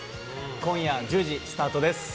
今夜１０時スタートです。